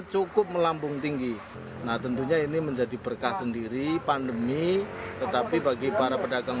cukup melambung tinggi nah tentunya ini menjadi berkah sendiri pandemi tetapi bagi para pedagang